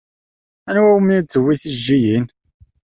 Anwa umi d-tewwi tijeǧǧigin?